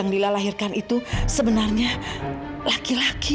yang lila lahirkan itu sebenarnya laki laki